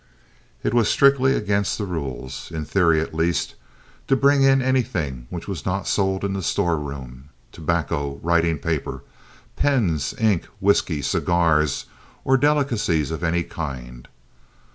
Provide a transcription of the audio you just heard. It was strictly against the rules, in theory at least, to bring in anything which was not sold in the store room—tobacco, writing paper, pens, ink, whisky, cigars, or delicacies of any kind.